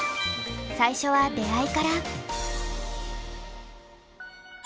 最初は出会いから！